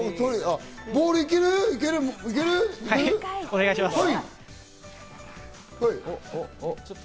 お願いします。